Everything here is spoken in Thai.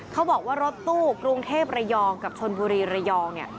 เขาบอกว่ารถตู้กรุงเทพระยองกับชนบุรีระยองเนี่ย